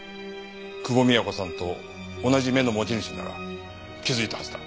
久保美也子さんと同じ目の持ち主なら気づいたはずだ。